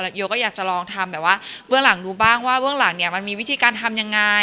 โยก็อยากจะลองทำแบบว่าเบื้องหลังดูบ้างว่าเบื้องหลังเนี่ยมันมีวิธีการทำยังไง